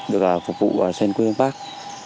được phục vụ trên quê hương bắc